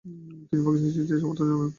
তিনি পাকিস্তান সৃষ্টিতে সমর্থন জানান।